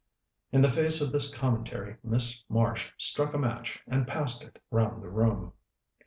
In the face of this commentary Miss Marsh struck a match, and passed it round the room.